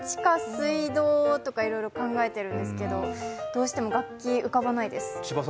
水道とかいろいろ考えているんですけどどうしても楽器、浮かばないです。